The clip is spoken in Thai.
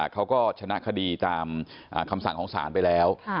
เขาก็ชนะคดีตามคำสั่งของศาลไปแล้ว